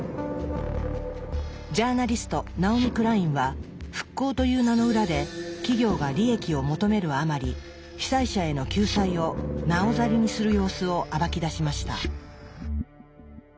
ジャーナリストナオミ・クラインは「復興」という名の裏で企業が利益を求めるあまり被災者への救済をなおざりにする様子を暴き出しました。